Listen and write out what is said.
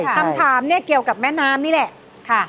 คำถามเนี่ยเกี่ยวกับแม่น้ำนี่แหละ